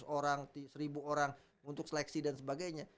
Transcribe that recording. tujuh ratus sembilan ratus orang seribu orang untuk seleksi dan sebagainya